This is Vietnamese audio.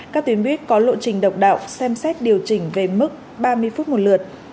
các tuyến buýt có lộ trình độc đạo xem xét điều chỉnh về mức ba mươi phút một lượt